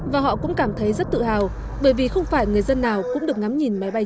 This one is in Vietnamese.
và họ cũng cảm thấy rất tự hào bởi vì không phải người dân nào cũng được ngắm nhìn máy bay